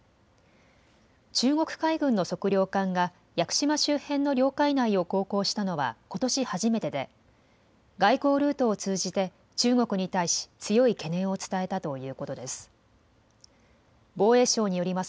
中国海軍の測量艦が屋久島周辺の領海内を航行したのはことし初めてで外交ルートを通じて中国に対し強い懸念を伝えたということです。